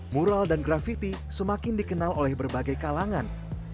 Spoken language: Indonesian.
mural dan grafiti semakin dikenal oleh berbagai kalangan